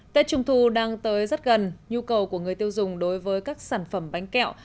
tết trung thu đang tới rất gần nhu cầu của người tiêu dùng đối với các sản phẩm bánh kẹo